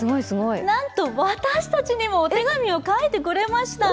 なんと私たちにもお手紙を書いてくれました。